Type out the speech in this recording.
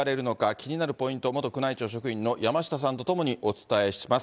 気になるポイント、元宮内庁職員の山下さんとともにお伝えします。